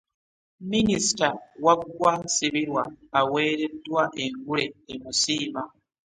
Minisita Waggwa Nsibirwa aweereddwa engule emusiima.